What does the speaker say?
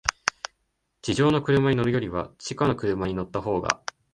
地上の車に乗るよりは、地下の車に乗ったほうが、